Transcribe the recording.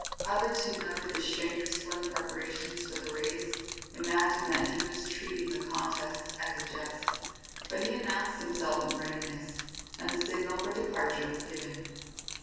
Others who noted the stranger's slim preparations for the race imagined that he was treating the contest as a jest; but he announced himself in readiness, and the signal for departure was given.